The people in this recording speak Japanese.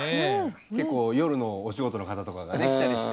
結構夜のお仕事の方とかがね来たりして。